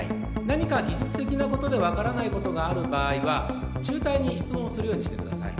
何か技術的なことで分からないことがある場合はチューターに質問するようにしてください